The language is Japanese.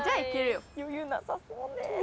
余裕なさそうね。